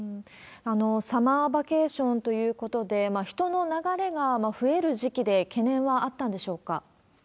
サマーバケーションということで、人の流れが増える時期で懸念はあったんでしょうか？